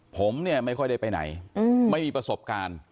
ผมเนี่ยไม่ค่อยได้ไปไหนไม่มีประสบการณ์